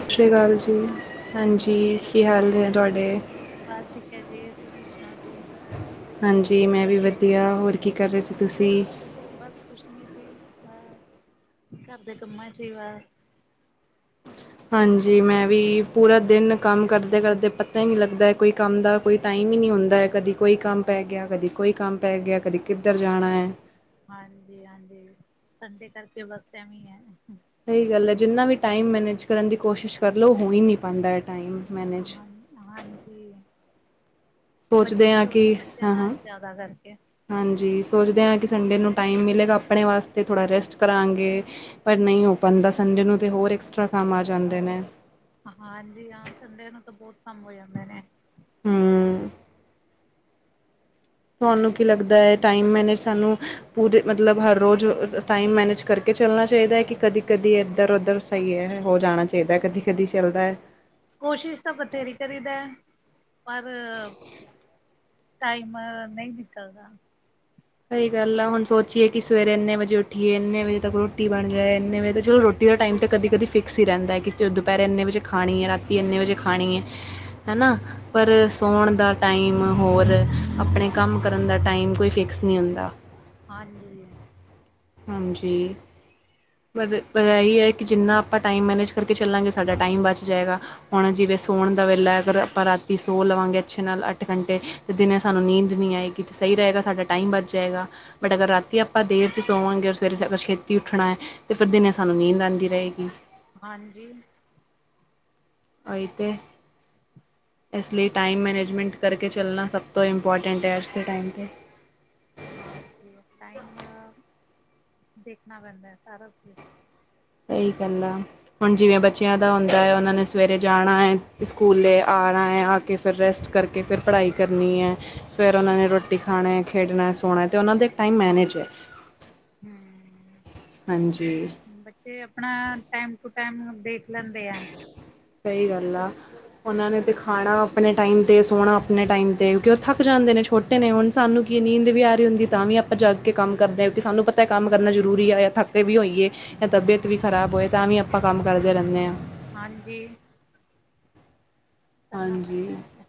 ਸਤਿ ਸ਼੍ਰੀ ਅਕਾਲ ਜੀ ਹਾਂਜੀ ਕੀ ਹਾਲ ਨੇ ਤੁਹਾਡੇ ਬਸ ਠੀਕ ਹੈ ਜੀ ਤੁਸੀਂ ਸੁਣਾਓ ਜੀ। ਹਾਂਜੀ ਮੈਂ ਵੀ ਵਧੀਆ ਹੋਰ ਕੀ ਕਰ ਰਹੇ ਸੀ ਤੁਸੀਂ ਬਸ ਕੁਛ ਨੀ ਸੀ ਘਰ ਦੇ ਕੰਮਾਂ 'ਚ ਹੀ ਵਾ। ਹਾਂਜੀ ਮੈਂ ਵੀ ਪੂਰਾ ਦਿਨ ਕੰਮ ਕਰਦੇ-ਕਰਦੇ ਪਤਾ ਹੀ ਨਹੀਂ ਲੱਗਦਾ ਕੋਈ ਕੰਮ ਦਾ ਕੋਈ ਟਾਈਮ ਹੀ ਨਹੀਂ ਹੁੰਦਾ ਹੈ ਕਦੀ ਕੋਈ ਕੰਮ ਪੈ ਗਿਆ ਕਦੀ ਕੋਈ ਕੰਮ ਪੈ ਗਿਆ ਕਦੇ ਕਿੱਧਰ ਜਾਣਾ ਐ। ਹਾਂਜੀ-ਹਾਂਜੀ ਸੰਡੇ ਕਰਕੇ ਬੱਸ ਐਵੀਂ ਐ। ਸਹੀ ਗੱਲ ਹੈ ਜਿੰਨਾ ਵੀ ਟਾਈਮ ਮੈਨੇਜ ਕਰਨ ਦੀ ਕੋਸ਼ਿਸ਼ ਕਰ ਲਓ ਹੋ ਹੀ ਨਈ ਪਾਂਦਾ ਏ ਟਾਈਮ ਮੈਨੇਜ ਹਾਂ ਹਾਂਜੀ ਏ। ਬ ਸੋਚਦੇ ਹਾਂ ਛੋਟੇ ਕਿ ਬੱਚਿਆਂ ਹਾਂ ਨਾਲ ਹਾਂ ਜਾਦਾ ਕਰਦੇ। ਹਾਂਜੀ ਸੋਚਦੇ ਹਾਂ ਕਿ ਸੰਡੇ ਨੂੰ ਟਾਈਮ ਮਿਲੇਗਾ ਆਪਣੇ ਵਾਸਤੇ ਥੋੜ੍ਹਾ ਰੈਸਟ ਕਰਾਂਗੇ। ਪਰ ਨਈ ਹੋ ਪਾਂਦਾ ਸੰਡੇ ਨੂੰ ਤੇ ਹੋਰ ਐਕਸਟਰਾ ਕੰਮ ਆ ਜਾਂਦੇ ਨੇ। ਹਾਂਜੀ ਹਾਂ ਸੰਡੇ ਨੂੰ ਤਾਂ ਬਹੁਤ ਕੰੰਮ ਹੋ ਜਾਂਦੇ ਨੇ। ਹੂੰ ਤੁਹਾਨੂੰ ਕੀ ਲੱਗਦਾ ਹੈ ਟਾਈਮ ਮੈਨੇ ਸਾਨੂੰ ਪੂਰੇ ਮਤਲਬ ਹਰ ਰੋਜ਼ ਟਾਈਮ ਮੈਨੇਜ ਕਰਕੇ ਚੱਲਣਾ ਚਾਹੀਦਾ ਹੈ ਕਿ ਕਦੀ-ਕਦੀ ਇੱਧਰ ਉੱਧਰ ਸਹੀ ਹੈ ਹੋ ਜਾਣਾ ਚਾਹੀਦਾ ਕਦੀ-ਕਦੀ ਚੱਲਦਾ। ਕੋਸ਼ਿਸ਼ ਤਾਂ ਬਥੇਰੀ ਕਰੀਦਾ ਪਰ ਟਾਈਮਰ ਨਹੀਂ ਨਿਕਲਦਾ। ਸਹੀ ਗੱਲ ਆ ਹੁਣ ਸੋਚੀਏ ਕਿ ਸਵੇਰੇ ਇੰਨੇ ਵਜੇ ਉੱਠੀਏ ਏਨੇ ਵਜੇ ਤੱਕ ਰੋਟੀ ਬਣ ਜਾਏ ਏਨੇ ਵਜੇ ਤ ਚਲੋ ਰੋ ਤੇ ਦਾ ਟਾਈਮ ਤਾਂ ਕਦੀ-ਕਦੀ ਫਿਕਸ ਹੀ ਰੈਂਦਾ ਕਿਤੇ ਉਹ ਦੁਪੈਰ ਇੰਨੇ ਵਜੇ ਖਾਣੀ ਹੈ ਰਾਤੀ ਇੰਨੇ ਵਜੇ ਖਾਣੀ ਏ। ਹਨਾ। ਪਰ ਸੌਣ ਦਾ ਟਾਈਮ ਹੋਰ ਆਪਣੇ ਕੰਮ ਕਰਨ ਦਾ ਟਾਈਮ ਕੋਈ ਫਿਕ ਕਸ ਨਈ ਹੁੰਦਾ। ਹਾਂਜੀ ਹਾਂਜੀ ਵਧ ਵਜਾ ਇਹ ਹੈ ਕਿ ਜਿੰਨਾ ਆਪਾਂ ਟਾਈਮ ਮੈਨੇਜ ਕਰਕੇ ਚੱਲਾਂਗੇ ਸਾਡਾ ਟਾਈਮ ਬਚ ਜਾਏਗਾ। ਹੁਣ ਜਿਵੇਂ ਸੋਣ ਦਾ ਵੇਲਾ ਅਗਰ ਆਪਾਂ ਰਾਤੀ ਸੋ ਲਵਾਂਗੇ ਅੱਛੇ ਨਾਲ ਅੱਠ ਘੰਟੇ ਦਿਨ ਸਾਨੂੰ ਨੀਂਦ ਨਹੀਂ ਆਏਗੀ ਸਹੀ ਰਏਗਾ ਸਾਡਾ ਟਾਈਮ ਬੱਚ ਜਾਏਗਾ ਬਟ ਅਗਰ ਰਾਤੀ ਆਪ ਆਪਾਂ ਦੇਰ 'ਚ ਸੋਵਾਂਗੇ ਔਰ ਸਵੇਰੇ ਅਗਰ ਛੇਤੀ ਉੱਠਣਾ ਹੈ ਫਿਰ ਦਿਨੇ ਸਾਨੂੰ ਨੀਂਦ ਆਂਦੀ ਰਏਗੀ। ਹਾਂਜੀ ਏਈ ਤੇ ਇਸ ਲਈ ਟਾਈਮ ਮੈਨੇਜਮੈਂਟ ਕਰਕੇ ਚੱਲਣਾ ਸਭ ਤੋਂ ਇੰਪੋਰਟੈਂਟ ਹੈ ਅੱਜ ਦੇ ਟਾਈਮ ਤੇ ਹਾਂ ਜੀ ਟਾਈਮ ਦੇਖਣਾ ਪੈਂਦਾ ਸਾਰਾ ਕੁ ਸਹੀ ਗੱਲ ਆ ਹੁਣ ਹਾਂ। ਜਿਵੇਂ ਬੱਚਿਆਂ ਹੁੰਦਾ ਹੈ ਉਹਨਾਂ ਨੇ ਸਵੇਰੇ ਜਾਣਾ ਹੈ ਸਕੂਲੇ ਆਣਾ ਹੈ ਆ ਕੇ ਫਿਰ ਰੈਸਟ ਕਰਕੇ ਕੇ ਫਿਰ ਪੜ੍ਹਾਈ ਕਰਨੀ ਹੈ। ਫਿਰ ਉਹਨਾਂ ਨੇ ਰੋਟੀ ਖਾਣਾ ਖੇਡਣਾ ਸੋਣਾ ਅਤੇ ਉਹਨਾਂ ਦਾ ਇੱਕ ਟਾਈਮ ਮੈਨੇਜ ਐ। ਹੂੰ ਹਾਂਜੀ ਬੱਚੇ ਆਪਣਾ ਟਾਈਮ ਟੂ ਟਾਈਮ ਹੁਣ ਦੇਖ ਲੈਂਦੇ ਆ ਸਹੀ ਗੱਲ ਐ ਉਹਨਾਂ ਨੇ ਤੇ ਖਾਣਾ ਆਪਣੇ ਟਾਈਮ ਤੇ ਸੋਣਾ ਆਪਣੇ ਟਾਈਮ ਤੇ ਕਿਉਂਕਿ ਉਹ ਥੱਕ ਜਾਂਦੇ ਨੇ ਛੋਟੇ ਨੇ, ਹੁਣ ਸਾਨੂੰ ਕੀ ਨੀਂਦ ਵੀ ਆ ਰਹੀ ਹੁੰਦੀ ਤਾਂ ਵੀ ਆਪਾਂ ਜਾਗ ਕੇ ਕੰਮ ਕਰਦੇ ਹਾਂਉਂਕਿ ਸਾਨੂੰ ਪਤਾ ਹੈ ਕੰਮ ਕਰਨਾ ਜ਼ਰੂਰੀ ਆ ਜਾਂ ਥੱਕ ਥਕੇ ਵੀ ਹੋਈਏ ਜਾਂ ਤਬੀਅਤ ਵੀ ਖ਼ਰਾਬ ਹੋਏ ਤਾਂ ਵੀ ਆਪਾਂ ਕੰਮ ਕਰਦੇ ਰਹਿੰਦੇ ਹਾਂ ਹਾਂਜੀ ਕਰਨਾ ਹਾਂਜੀ ਪੈਂਦਾ ਹੈ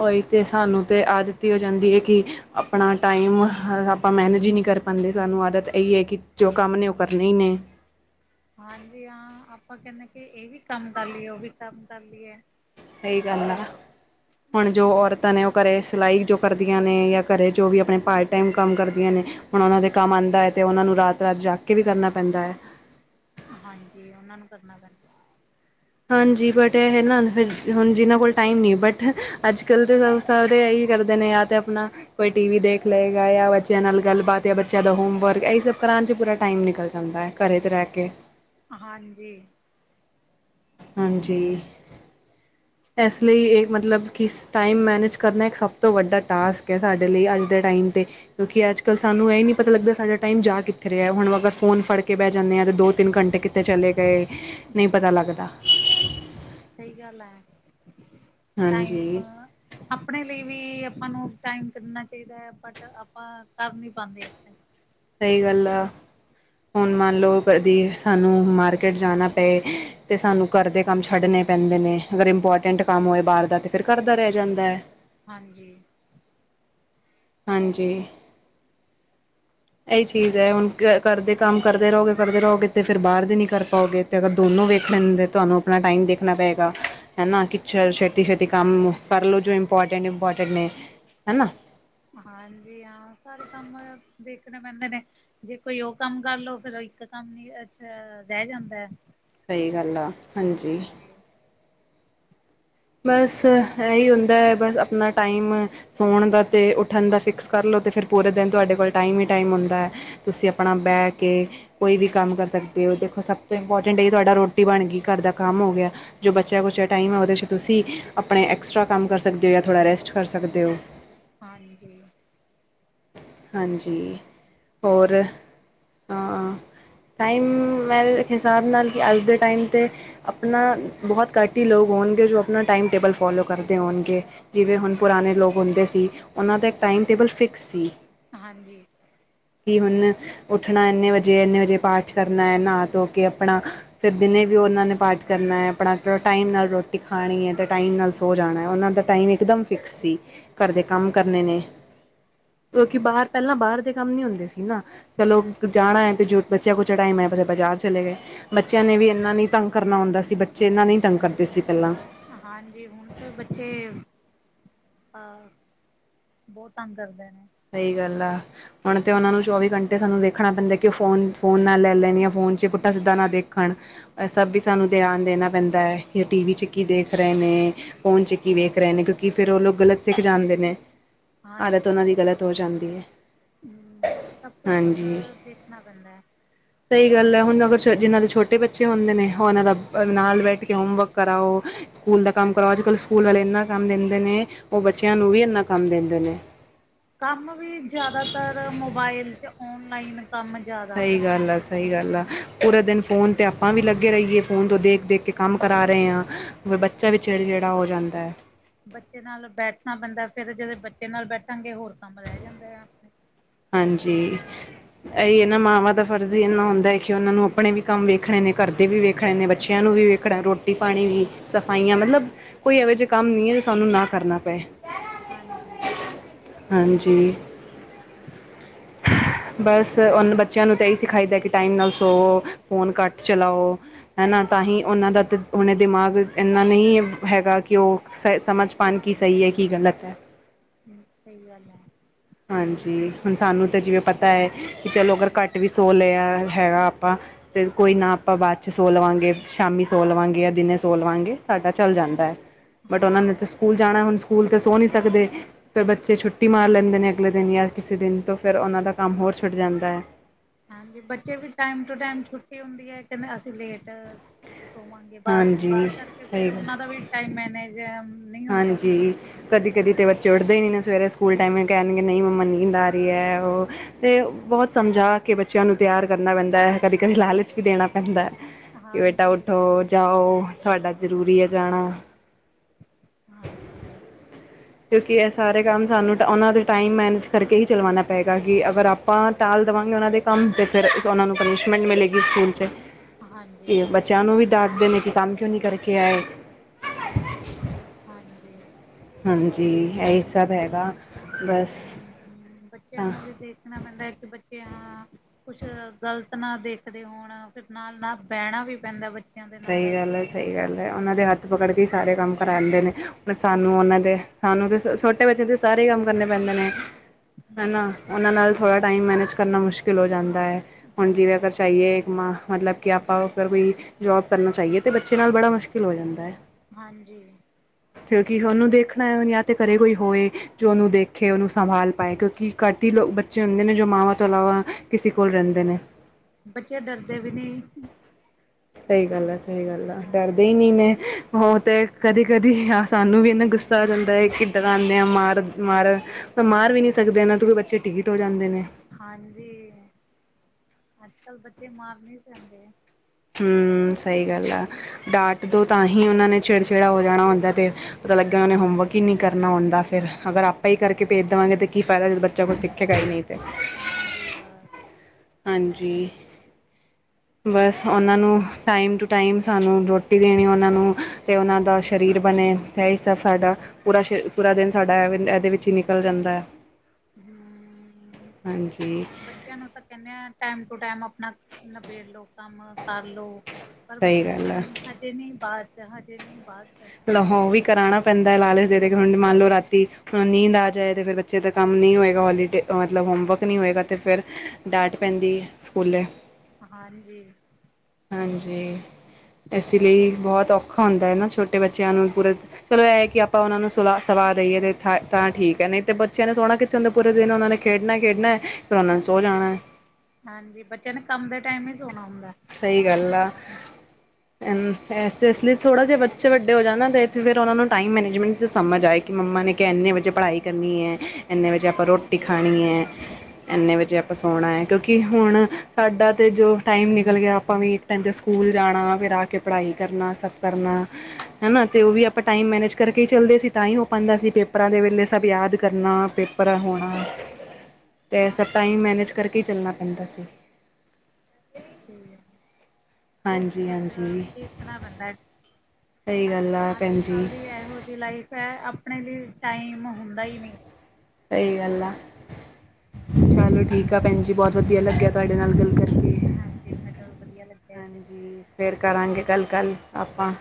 ਹੋਈ ਤੇ ਸਾਨੂੰ ਤੇ ਆ ਦਿੱਤੀ ਹੋ ਜਾਂਦੀ ਹੈ ਕਿ ਆਪਣਾ ਟਾਈਮ ਆਪਾਂ ਮੈਨੇਜ ਹੀ ਨਹੀਂ ਕਰ ਹਾਂਜੀ ਸਾਨੂੰ ਆਦਤ ਇਹੀ ਹੈ ਕਿ ਜੋ ਕੰਮ ਨੇ ਉਹ ਕਰਨੇ ਹੀ ਨੇ ਹਾਂਜੀ ਹਾਂ ਆਪਾਂ ਕਹਿੰਦੇ ਕਿ ਇਹ ਵੀ ਕੰਮ ਕਰ ਲਈਏ ਉਹ ਵੀ ਕੰਮ ਕਰ ਲਈਏ ਸਹੀ ਗੱਲ ਆ ਹੁਣ ਜੋ ਔਰਤਾਂ ਨੇ ਉਹ ਘਰੇ ਸਿਲਾਈ ਜੋ ਕਰਦੀਆਂ ਨੇ ਜਾਂ ਘਰੇ ਜੋ ਵੀ ਆਪਣੇ ਪਾਰਟ ਟਾਈਮ ਕੰਮ ਕਰਦੀਆਂ ਨੇ ਹੁਣ ਉਹਨਾਂ ਦੇ ਕੰਮ ਆਉਂਦਾ ਹੈ, ਅਤੇ ਉਹਨਾਂ ਨੂੰ ਰਾਤ ਰਾਤ ਜਾਗ ਕੇ ਵੀ ਕਰਨਾ ਪੈਂਦਾ ਹੈ ਹਾਂਜੀ ਉਹਨਾਂ ਨੂੰ ਕਰਨਾ ਪੈਂਦਾ ਹਾਂਜੀ ਬਟ ਇਹ ਹੈ ਨਾ ਫਿਰ ਹੁਣ ਜਿਨਾਂ ਕੋਲ ਟਾਈਮ ਨਹੀਂ, ਬਟ ਅੱਜ ਕੱਲ੍ਹ ਤਾਂ ਸ ਸਾਰੇ ਇਹੀ ਕਰਦੇ ਨੇ ਯਾਰ ਤੇ ਆਪਣਾ ਕੋਈ ਟੀ ਵੀ ਦੇਖ ਲਏਗਾ ਜਾਂ ਬੱਚਿਆਂ ਨਾਲ ਗੱਲਬਾਤ ਜਾਂ ਬੱਚਿਆਂ ਦਾ ਹੋਮ ਵਰਕ, ਇਹ ਸਭ ਕਰਾਉਣ ਚ ਪੂਰਾ ਟਾਈਮ ਨਿਕਲ ਜਾਂਦਾ ਹੈ ਘਰੇ ਤੇ ਰਹਿ ਕੇ ਹਾਂਜੀ ਹਾਂਜੀ ਇਸ ਲਈ ਇਹ ਮਤਲਬ ਕਿ ਟਾਈਮ ਮੈਨੇਜ ਕਰਨਾ ਇੱਕ ਸਭ ਤੋਂ ਵੱਡਾ ਟਾਸਕ ਹੈ ਸਾਡੇ ਲਈ ਅੱਜ ਦੇ ਟਾਈਮ 'ਤੇ ਕਿਉਂਕਿ ਅੱਜ ਕੱਲ ਸਾਨੂੰ ਇਹ ਨ ਨਹੀਂ ਪਤਾ ਲੱਗਦਾ ਸਾਡਾ ਟਾਈਮ ਜਾ ਕਿੱਥੇ ਰਿਹਾ ਹੁਣ ਅਗਰ ਫੋਨ ਫੜ ਕੇ ਬਹਿ ਜਾਂਦੇ ਆਂ ਤੇ ਦੋ ਤਿੰਨ ਘੰਟੇੱ ਤੇ ਚਲੇ ਗਏ ਨਹੀਂ ਪਤਾ ਲੱਗਦਾ ਸਹੀ ਗੱਲ ਹੈ ਟਾਈਮ ਹਾਂਜੀ ਆਪਣੇ ਲਈ ਵੀ ਆਪਾਂ ਨੂੰ ਟਾਈਮ ਕੱਢਣਾ ਚਾਹੀਦਾ ਹੈ ਬਟ ਆਪਾਂ ਕਰ ਨੀ ਪਾਉਂਦੇ ਆਪਣੇ ਸਹੀ ਗੱਲ ਐ ਹੁਣ ਮੰਨ ਲਓ ਕਦੀ ਸਾਨੂੰ ਮਾਰਕੀਟ ਜਾਣਾ ਤੇ ਸਾਨੂੰ ਘਰ ਦੇ ਕੰਮ ਛੱਡਣੇ ਪੈਂਦੇ ਨੇ ਅਗਰ ਇੰਪੋਰਟੈਂਟ ਕੰਮ ਹੋਏ ਬਾਹਰ ਦਾ ਤੇ ਫਿਰ ਕਰਦਾ ਰਹਿ ਜਾਂਦਾ ਹੈ ਹਾਂਜੀ ਹਾਂਜੀ ਏਹੀ ਚੀਜ਼ ਹੈ ਹੁਣ ਕਰਦੇ ਕੰਮ ਕਰਦੇ ਰਹੋਗੇ ਕਰਦੇ ਰਹੋਗੇ ਤੇ ਫਿਰ ਬਾਹਰ ਦੇ ਨੀ ਕਰ ਪਾਓਗੇ ਤੇ ਅਗਰ ਦੋਨੋਂ ਵੇਖਣੇ ਤੇ ਤੁਹਾਨੂੰ ਆਪਣਾ ਟਾਈਮ ਦੇਖਣਾ ਪਏਗਾ ਹੈਨਾ ਕਿਛ ਛੇਤੀ ਛੇਤੀ ਕੰਮ ਕਰਲੋ ਜੋ ਇੰਪੋਰਟੈਂਟ ਇੰਪੋਰਟੈਂਟ ਨੇ ਹੈਨਾ ਹਾਂਜੀ ਹਾਂ ਸਾਰੇ ਕੰਮ ਦੇਖਣੇ ਪੈਂਦੇ ਨੇ ਜੇ ਕੋਈ ਉਹ ਕੰਮ ਕਰਲੋ ਫੇਰ ਉਹ ਇੱਕ ਕੰਮ ਨੀ ਰਹਿ ਜਾਂਦਾ ਸਹੀ ਗੱਲ ਆ ਹਾਂਜੀ ਬਸ ਇਹੀ ਹੁੰਦਾ ਹੈ ਬਸ ਆਪਣਾ ਟਾਈਮ ਸੌਣ ਦਾ ਅਤੇ ਉੱ ਠੰਡ ਦਾ ਫਿਕਸ ਕਰ ਲਉ ਅਤੇ ਫਿਰ ਪੂਰੇ ਦਿਨ ਤੁਹਾਡੇ ਕੋਲ ਟਾਈਮ ਹੀ ਟਾਈਮ ਹੁੰਦਾ, ਤੁਸੀਂ ਆਪਣਾ ਬਹਿ ਕੇ ਕੋਈ ਵੀ ਕੰਮ ਕਰ ਸਕਦੇ ਹੋ ਦੇਖੋ ਸਭ ਤੋਂ ਇੰਪੋਰਟੈਂਟ ਇਹ ਤੁਹਾਡਾ ਰੋਟੀ ਬਣ ਗਈ ਘਰ ਦਾ ਕੰਮ ਹੋ ਗਿਆ ਜੋ ਬੱਚਿਆਂ ਕੁੱਚੇਯਾ ਟਾਈਮ ਹੈ ਉਹਦੇ 'ਚ ਤੁਸੀਂ ਆਪਣੇ ਐਕਸਟਰਾ ਕੰਮ ਕਰ ਸਕਦੇ ਹੋ ਜਾਂ ਥੋੜ੍ਹਾ ਰੈਸਟ ਕਰ ਸਕਦੇ ਹੋ ਹਾਂਜੀ ਹਾਂਜੀ ਹੋਰ ਹਾਂ ਟਾਈਮ ਮੇਰੇ ਇੱਕ ਹਿਸਾਬ ਨਾਲ ਕਿ ਅੱਜ ਦੇ ਟਾਈਮ 'ਤੇ ਆਪਣਾ ਬਹੁਤ ਘਟ ਹੀ ਲੋਕ ਹੋਣਗੇ ਜੋ ਆਪਣਾ ਟਾਈਮ ਟੇਬਲ ਫੋਲੋ ਕਰਦੇ ਹੋਣਗੇ ਜਿਵੇਂ ਹੁਣ ਪੁਰਾਣੇ ਲੋਕ ਹੁੰਦੇ ਸੀ ਉਹਨਾਂ ਦਾ ਇੱਕ ਟਾਈਮ ਟੇਬਲ ਫਿਕਸ ਸੀ ਹਾਂਜੀ। ਕੀ ਹੁਣ ਉੱਠਣਾ ਇੰਨੇ ਵਜੇ, ਇੰਨੇ ਵਜੇ ਪਾਠ ਕਰਨਾ ਹੈ ਨਹਾ ਧੋ ਕੇ ਆਪਣਾ ਫਿਰ ਦਿਨੇ ਵੀ ਉਹਨਾਂ ਨੇ ਪਾਠ ਕਰਨਾ ਹੈ ਆਪਣਾ, ਟਾਈਮ ਨਾਲ ਰੋਟੀ ਖਾਣੀ ਹੈ ਤੇ ਟਾਈਮ ਨਾਲ ਸੋ ਜਾਣਾ ਉਹਨਾਂ ਦਾ ਟਾਈਮ ਇਕਦਮ ਫਿਕਸ ਸੀ। ਘਰ ਦੇ ਕੰਮ ਕਰਨੇ ਨੇ ਕਿਉਂਕਿ ਬਾਹਰ ਪਹਿਲਾਂ ਬਾਹਰ ਦੇ ਕੰਮ ਨੀ ਹੁੰਦੇ ਸੀ ਨਾ, ਚਲੋ ਜਾਣਾ ਹੈ ਅਤੇ ਜੋ ਬੱਚਾ ਕੁੱਚਾ ਟਾਈਮ ਹੈ, ਬਸ ਬਾਜ਼ਾਰ ਚਲੇ ਗਏ। ਬੱਚਿਆਂ ਨੇ ਵੀ ਇਨਾ ਨਹੀਂ ਤੰਗ ਕਰਨਾ ਹੁੰਦਾ ਸੀ, ਬੱਚੇ ਇਹਨਾ ਨਹੀਂ ਤੰਗ ਕਰਦੇ ਸੀ ਪਹਿਲਾਂ ਹਾਂਜੀ ਹੁਣ ਤੇ ਬੱਚੇ, ਅ ਬਹੁਤ ਤੰਗ ਕਰਦੇ ਨੇ ਸਹੀ ਗੱਲ ਹੁਣ ਤੇ ਉਹਨਾਂ ਨੂੰ ਚੌਵੀ ਘੰਟੇ ਸਾਨੂੰ ਦੇਖਣਾ ਪੈਂਦਾ, ਕਿ ਉਹ ਫੋਨ ਫੋ ਨਾ ਲੈ ਲੈਣ ਜਾਂ ਫੋਨ ਚ ਪੁੱਠਾ ਸਿੱਧਾ ਨਾ ਦੇਖਣ ਸਭ ਵੀ ਸਾਨੂੰ ਧਿਆਨ ਦੇਣਾ ਪੈਂਦਾ ਹੈ, ਜਾਂ ਟੀ ਵੀ 'ਚ ਕੀ ਦੇਖ ਰਹੇ ਨੇ। ਫੋਨ ਚ ਕੀ ਵੇਖ ਰਹੇ ਨੇ, ਕਿਉਂਕਿ ਫਿਰ ਉਹ ਲੋਕ ਗਲਤ ਸਿੱਖ ਜਾਂਦੇ ਨੇ। ਆਦਤ ਹਾਂਜੀ ਉਹਨਾਂ ਦੀ ਗ਼ਲਤ ਹੋ ਜਾਂਦੀ ਹੈ। ਹਮ, ਸਭ ਕੁਛ ਹਾਂਜੀ ਤਾਂ ਦੇਖਣਾ ਪੈਂਦਾ ਹੈ। ਸਹੀ ਗੱਲ ਹੈ ਹੁਣ ਅਗਰ ਜਿਹਨਾਂ ਦੇ ਛੋਟੇ ਬੱਚੇ ਹੁੰਦੇ ਨੇ, ਉਹ ਉਹਨਾਂ ਦਾ ਨਾਲ ਬੈਠ ਕੇ ਹੋਮਵਰਕ ਕਰਾਓ। ਸਕੂਲ ਦਾ ਕੰਮ ਕਰੋ ਅੱਜ ਕੱਲ੍ਹ ਸਕੂਲ ਵਾਲੇ ਇੰਨਾ ਕੰਮ ਦਿੰਦੇ ਨੇ, ਉਹ ਬੱਚਿਆਂ ਨੂੰ ਵੀ ਇੰਨਾ ਕੰਮ ਦਿੰਦੇ ਨੇ ਕੰਮ ਵੀ ਜ਼ਿਆਦਾਤਰ ਮੋਬਾਇਲ ਅਤੇ ਔਨਲਾਈਨ, ਕੰਮ ਜਾ ਸਹੀ ਗੱਲ ਆ, ਸਹੀ ਗੱਲ ਆ ਪੂਰਾ ਦਿਨ ਫੋਨ ਤਾਂ ਆਪਾਂ ਵੀ ਲੱਗੇ ਰਹੀਏ, ਫੋਨ ਤੋਂ ਦੇਖ ਦੇਖ ਕੇ ਕੰਮ ਕਰਾ ਰਹੇ ਹਾਂ। ਬੱਚਾ ਵੀੇ ਚਿੜਚਿੜਾ ਹੋ ਜਾਂਦਾ ਹੈ। ਬੱਚੇ ਨਾਲ ਬੈਠਣਾ ਪੈਂਦਾ ਫੇਿਰ ਜਦੋਂ ਬੱਚੇ ਨਾਲ ਬੈਠਾਂਗੇ, ਹੋਰ ਕੰਮ ਰਹਿ ਜਾਂਦਾ ਆ ਆਪਣੇ ਹਾਂਜੀ ਇਹੀ ਇ ਨਾ ਮਾਵਾਂ ਦਾ ਫਰਜ਼ ਹੀ ਇੰਨਾ ਹੁੰਦਾ ਹੈ, ਕਿ ਉਹਨਾਂ ਨੂੰ ਆਪਣੇ ਵੀ ਕੰਮ ਵੇਖਣੇ ਨੇ, ਘਰਦੇ ਵੀ ਵੇਖਣੇ ਨੇ ਬੱਚਿਆਂ ਨੂੰ ਵੀ ਵੇਖ ਰੱਖੜ ਰੋਟੀ ਪਾਣੀ ਵੀ ਸਫਾਈਆਂ ਮਤਲਬ, ਕੋਈ ਇਹੋ ਜਿਹੇ ਕੰਮ ਨਹੀਂ ਹੈ ਜੋ ਸਾਨੂੰ ਨਾ ਕਰਨਾ ਪਏ। ਹਾਂਜੀ ਹਾਂਜੀ ਠੀਕ। ਬਸ ਉਹਨ ਬੱਚਿਆਂ ਨੂੰ ਤਾਂ ਇਹੀ ਸਿਖਾਈਦਾ, ਕਿ ਟਾਈਮ ਨਾਲ ਸੋਵੋ ਫੋਨ ਘੱਟ ਚਲਾਓ ਹੈ ਨਾ ਤਾਂ ਹੀ ਉਹਨਾਂ ਦਾ ਹੁਣੇ, ਦਿਮਾਗ ਇੰਨਾ ਨਹੀਂ ਹੈਗਾ ਕਿ ਉਹ ਸਮਝ ਪਾਉਣ ਕੀ ਸਹੀ ਹੈ, ਕੀ ਗਲਤ ਹੈ। ਹਮ, ਸਹੀ ਗੱਲ ਹੈ। ਹਾਂਜੀ ਹੁਣ ਸਾਨੂੰ ਤਾਂ ਜਿਵੇਂ ਪਤਾ ਹੈ ਕਿ ਚਲੋ, ਅਗਰ ਘੱਟ ਵੀ ਸੌ ਲਿਆ ਹੈਗਾ ਆਪਾਂ ਅਤੇ ਕੋਈ ਨਾ ਆਪਾਂ ਬਾਅਦ 'ਚ ਸੋ ਲਵਾਂਗੇ, ਸ਼ਾਮੀ ਸੋ ਲਵਾਂਗੇ ਜਾਂ ਦਿਨੇ ਸੋ ਲਵਾਂਗੇ ਸਾਡਾ ਚੱਲ ਜਾਂਦਾ ਹੈ। ਬਟ ਹਾਂ ਉਹਨਾਂ ਨੇ ਤਾਂ ਸਕੂਲ ਜਾਣਾ ਹੁਣ ਸਕੂਲ ਤੇ ਸੋ ਨਹੀਂ ਸਕਦੇ, ਫਿਰ ਬੱਚੇ ਛੁੱਟੀ ਮਾਰ ਲੈਂਦੇ ਨੇ ਅਗਲੇ ਦਿਨ ਯਾ ਕਿਸੇ ਦਿਨ ਤੋਂ ਫਿਰ ਉਹਨਾਂ ਦਾ ਕੰਮ ਹੋਰ ਛੁੱਟ ਜਾਂਦਾ ਹੈ। ਹਾਂਜੀ, ਬੱਚੇ ਵੀ ਟਾਈਮ ਟੂ ਟਾਈਮ ਛੁੱਟੀ ਹੁੰਦੀ ਓ, ਕੈਂਦੇ ਅਸੀ ਲੇਟ ਸੋਵਾਂਗੇ ਬਸ, ਹਾਂਜੀ ਓਦੇ ਕਾਰਕੇ ਫੇਰ ਸਹੀ ਗੱਲ ਓਨਾਂ ਦਾ ਵੀ ਟਾਈਮ ਮੈਨੇਜ ਨਹੀਂ ਹੁੰਦਾ। ਹਾਂਜੀ। ਕਦੀ, ਕਦੀ ਤੇ ਬੱਚੇ ਉੱਠਦੇ ਈ ਨਈ, ਨਾ ਸਵੇਰੇ ਸਕੂਲ ਟਾਈਮ ਕੈਨਗੇ ਨਈ ਮੰਮਾ ਨੀਂਦ ਆ ਰਿਐ, ਓ ਤੇ ਬੋਤ ਸਮਝਾ ਕੇ ਬੱਚਯਾਂ ਨੂੰ ਤਯਾਰ ਕਰਨਾ ਪੈਂਦੈ। ਕਦੀ, ਕਦੇ ਲਾਲਚ ਵੀ ਦੇਨਾ ਪੈਂਦੈ। ਕਿ ਬੇਟਾ ਹਾਂਜੀ ਉਠੋ, ਜਾਓ, ਥੋਆਡਾ ਜ਼ਰੂਰੀ ਏ ਜਾਨਾ। ਹਾਂਜੀ। ਕਿਉਂਕਿ ਸਾਰੇ ਕੰਮ ਸਾਨੂੰ ਓਨਾਂ ਦੇ ਟਾਈਮ ਮੈਨੇਜ ਕਾਰਕੇ ਈ ਚਲਵਾਨਾ ਪਏਗਾ, ਕਿ ਅਗਰ ਆਪ ਆਪਾ ਟਾਲ ਦੇਵਾਂਗੇ ਓਨਾਂ ਦੇ ਕੰਮ, ਤੇ ਫੇਰ ਓਨਾਂ ਨੂੰ ਪਨੀਸ਼ਮੈਂਟ ਮਿਲੇਗੀ ਸਕੂਲ ਚ। ਹਾਂਜੀ ਕਿ ਬੱਚਿਆਂ ਨੂੰ ਵੀ ਡਾਟਦੇ ਨੇ ਕਿ ਕੰਮ ਕਿਉਂ ਨੀ ਕਰਕੇ ਆਏ। ਹਾਂਜੀ। ਹਾਂਜੀ, ਏਹੀ ਸਬ ਹੈਗਾ, ਬਾੱਸ। ਬੱਚਿਆਂ ਨੂੰ ਵੀ ਦੇਖਨਾ ਪੈਂਦੈ ਕਿ ਬੱਚੇ ਹਾਂ। ਕੁੱਛ ਗ਼ਲਤ ਨਾ ਦੇਖਦੇ ਹੋਣ ਫੇਰ ਨਾਲ ਨਾ ਬੈਣਾ ਵੀ ਪੈਂਦਾ, ਬੱਚੇ। ਸਈ ਗੱਲ ਐ- ਸਈ ਗੱਲ ਐ, ਓਨਾਂ ਦੇ ਹੱਥ ਪਕੜ ਕੇ ਈ ਸਾਰੇ ਕੰਮ ਕਰਾਂਦੇ ਨੇ, ਹੁਨ ਸਾਨੂੰ ਓਨਾਂ ਦੇ ਸਾਨੂੰ ਤੇ ਛੋਟੇ ਬੱਚਯਾ ਦੇ ਸਾਰੇ ਕੰਮ ਕਰਨੇ ਪੈਂਦੇ ਨੇ। ਹੈਨਾ, ਓਨਾਂ ਨਾਲ ਥੋੜਾ ਟਾਈਮ ਮੈਨੇਜ ਕਰਨਾ ਮੁਸ਼ਕਿਲ ਹੋ ਜਾਂਦਾ ਐ। ਹੁਣ ਹਾਂ ਜਿਵੇਂ ਆਪਾ ਚਾਈਏ ਏਕ ਮਾਂ, ਮਤਲਬ ਕਿ ਆਪਾ ਫੇਰ ਕੋਈ ਜੋਬ ਕਰਨਾ ਚਾਈਏ, ਤੇ ਬੱਚੇ ਨਾਲ ਬੜਾ ਮੁਸ਼ਕਿਲ ਹੋ ਜਾਂਦਾ ਹੈ। ਹਾਂਜੀ। ਕਿਉਂਕਿ ਓਨੂੰ ਦੇਖਣਾ ਏ, ਯਾ ਤੇ ਘਰੇ ਕੋਈ ਹੋਏ ਜੋ ਓਨੂੰ ਦੇਖੇ, ਓਨੂੰ ਸੰਭਾਲ ਪਾਏ, ਕਯੋਕਿ ਘੱਟ ਹੀ ਬੱਚੇ ਹੁੰਦੇ ਨੇ ਜੋ ਮਾਵਾਂ ਤੋਂ ਇਲਾਵਾ, ਕਿਸੇ ਕੋਲ ਰੈਂਦੇ ਨੇ। ਬੱਚੇ ਡਰਦੇ ਵੀ ਨੇ। ਸਈ ਗਾੱਲ ਆ- ਸਈ ਗਾੱਲ ਆ, ਡਾਰਦੇ ਈ ਹਾਂਜੀ ਨੀ ਨੇ, ਓ ਤੇ ਕਦੀ- ਕਦੀ ਸਾਨੂੰ ਵੀ ਏਨਾ ਗੁੱਸਾ। ਗੁੱਸਾ ਆ ਜਾਂਦਾ ਏ ਕਿੱਦ ਖਾਂਦੇ ਆ ਮਾਰ, ਮਾਰ, ਤਾ ਮਾਰ ਵੀ ਨੀ ਸਕਦੇ ਐਨਾ ਤੋ ਕਿ ਬੱਚੇ ਟੀਠ ਹੋ ਜਾਂਦੇ ਨੇ। ਹਾਂਜੀ, ਅੱਜ-ਕੱਲ ਬੱਚੇ ਮਾਰ ਨੀ ਸੈਂਦੇ। ਹੂੰ, ਸਈ ਗਾੱਲ ਆ, ਡਾਟ ਦੋ ਤਾਂਹੀ ਓਨਾਂ ਨੇ ਚਿੜਚਿੜਾ ਹੋ ਜਾਨਾ ਹੁੰਦਾ ਤੇ। ਪਤਾ ਲੱਗੇ, ਓਨਾਂ ਨੇ ਹੋਮਵਰਕ ਈ ਨੀ ਕਰਨਾ ਹੁੰਦਾ ਫੇਰ। ਅਗਰ ਆਪੈ ਈ ਕਾਰਕੇ ਪੇਜ ਦੇਵਾਂਗੇ, ਤੇ ਕੀ ਫਾਯਦਾ ਜੇ ਬੱਚਾ ਕੁਛ ਸਿੱਖੇਗਾ ਈ ਨੀ ਤੇ। ਹਾਂਜੀ, ਬਾਸ। ਹਾਂਜੀ। ਬਸ ਓਨਾਂ ਨੂੰ ਟਾਈਮ ਟੂ ਟਾਈਮ ਸਾਨੂੰ, ਰੋਟੀ ਦੇਨੀ ਓਨਾਂ ਨੂੰ, ਤੇ ਓਨਾਂ ਦਾ ਸ਼ਰੀਰ ਬਨੇ। ਤੈ ਐਈ ਸਬ ਸਾਡਾ ਪੂਰਾ, ਪੂਰਾ ਦਿਨ ਸਾਡਾ ਐਵੇ ਐਦੇ ਵਿੱਚ ਈ ਨਿਕਲ ਜਾਂਦਾ ਏ। ਹੂੰ, ਬੱਚਿਆਂ ਨੂੰ ਆਪ ਤਾਂ ਕੈਨੇ ਆ ਟਾਈਮ ਟੂ ਟੈਮ ਅਪਨਾ ਨਬੇੜ ਲੋ, ਕੰਮ ਕਰਲੋ। ਪਰ ਸਹੀ ਬੱਚੇ ਕੈਨ ਗੱਲ ਹੈ ਨਈ, ਹਜੇ ਨੀ ਬਾਦ ਚ-ਹਜੇ ਨੀ ਬਾਦ ਚ। ਲੋ ਓਵੀ ਕਰਾਨਾ ਪੈਂਦਾ ਏ ਲਾਲਚ ਦੇ ਦੇ ਕੇ, ਹੁਨ ਮੰਨ ਲੋ ਰਾਤੀ ਹਾਂ ਨੀਂਦ ਆ ਜਾਏ, ਤੇ ਫੇਰ ਬੱਚੇ ਦਾ ਕੰਮ ਨੀ ਹੋਏਗਾ, ਹੋਲੀਡੇ ਮਤਲਬ ਹੋਮਵਰਕ। ਨੀ ਹੋਏਗਾ, ਤੇ ਫੇਰ ਡਾੰਟ ਪੈਂਦੀ ਏ ਸਕੂਲੇ। ਹਾਂਜੀ। ਹਾਂਜੀ, ਐਸੇ ਲਈ ਬੋਤ ਔਖਾ ਹੁੰਦਾ ਏ ਨਾ ਛੋਟੇ ਬੱਚਿਆਂ ਨੂੰ ਪੂਰੇ ਚਲੋ, ਐ ਏ ਕਿ ਆਪਾ ਓਨਾਂ ਨੂੰ ਸੁਲਾ ਸਵਾ ਦੇਈਏ, ਤੇ ਥ ਤਾਂ ਠੀਕ ਐ, ਨਈ ਤੇ ਬੱਚਿਆਂ ਸੋਣਾ ਕਿੱਥੇ ਹੁੰਦੈ ਪੂਰੇ ਦਿਨ, ਓਨਾ ਨੇ ਖੇਡਣਾ ਹੀ ਖੇਡਣਾ ਏ। ਤੇ ਓਹਨਾਂ ਨੇ ਸੋ ਜਾਣਾ ਐ। ਹਾਂਜੀ, ਬੱਚਿਆ ਨੇ ਕੰਮ ਦੇ ਟਾਈਮ ਈ ਸੋਨਾ ਹੁੰਦਾ ਏ। ਸਈ ਗਾੱਲ ਆ। ਐਸਤੇ ਐਸਲੇ ਥੋੜਾ ਜਾ ਬੱਚੇ ਵੱਡੇ ਹੋ ਜਾਨ ਨਾ, ਤੇ ਫੇਰ ਓਨਾ ਨੂੰ ਟਾਈਮ ਮੈਨੇਜਮੈਂਟ ਚ ਸਮਝ ਆਏ। ਕਿ ਮੰਮਾ ਨੇ ਕੇਆ ਐਨੇ ਵਜੇ ਪੜਾਈ ਕਰਨੀ ਐ, ਐਨੇ ਵਜੇ ਆਪਾ ਰੋਟੀ ਖਾਣੀ ਐ। ਹਾਂ ਇੰਨੇ ਵਜੇ ਆਪਾਂ ਸੋਣਾ ਹੈ, ਕਿਉਂਕਿ ਹੁਣ ਸਾਡਾ ਤੇ ਜੋ ਟਾਈਮ ਨ- ਨਿਕਲ ਗਿਆ ਆਪਾਂ ਵੀ ਟਾਈਮ 'ਤੇ ਸਕੂਲ ਜਾਣਾ ਫੇਰ ਆ ਕੇ ਪੜਾਈ ਕਰਨਾ ਸਭ ਕਰਨਾ। ਹਨਾ ਤੇ ਉਹ ਵੀ ਆਪਾਂ ਟਾਈਮ ਮੈਨੇਜ ਕਰਕੇ ਹੀ ਚੱਲਦੇ ਸੀ, ਤਾਂ ਹੀ ਹੋ ਪਾਉਂਦਾ ਸੀ ਪੇਪਰਾਂ ਦੇ ਵਿੱਚ। ਪਹਿਲੇ ਸਬ ਯਾਦ ਕਰਨਾ ਪੇਪਰ ਹੋਣਾ ਤੇ ਹਾਂ ਟਾਈਮ ਮੈਨੇਜ ਕਰਕੇ ਈ ਚੱਲਣਾ ਪੈਂਦਾ ਸੀ ਠੀਕ ਐ, ਬਹੁਤ ਹਾਂਜੀ ਕੁਛ ਹਾਂਜੀ ਦੇਖਣਾ ਪੈਂਦਾ ਸਹੀ ਅ ਗੱਲ ਆ ਅੱਜ ਭੈਣ ਜੀ ਕੱਲ ਦੀ ਇਹੋ ਜਿਹੀ ਲਾਈਫ ਹੈ ਆਪਣੇ ਲਈ ਟਾਈਮ ਹੁੰਦਾ ਹੀ ਨਹੀਂ ਸਹੀ ਗੱਲ ਆ, ਚਲੋ ਠੀਕ ਆ ਭੈਣ ਜੀ ਬਹੁਤ ਵਧੀਆ ਲੱਗਿਆ ਤੁਹਾਡੇ ਨਾਲ ਗੱਲ ਕਰ ਕੇ ਹਾਂਜੀ ਮੈਨੂੰ ਵੀ ਵਧੀਆ ਲੱਗਿਆ ਜੀ ਫੇਰ ਕਰਾਂਗੇ ਕੱਲ੍ਹ ਗੱਲ ਆਪਾਂ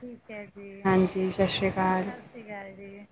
ਠੀਕ ਹੈ ਜੀ ਹਾਂਜੀ ਸਤਿ ਸ਼੍ਰੀ ਅਕਾਲ ਸਤਿ ਸ਼੍ਰੀ ਅਕਾਲ ਜੀ